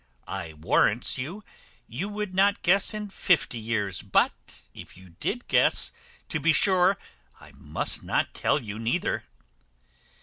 I warrants you, you would not guess in fifty years; but if you did guess, to be sure I must not tell you neither."